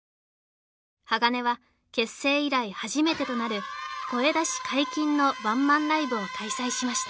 ＨＡＧＡＮＥは結成以来初めてとなる声出し解禁のワンマンライブを開催しました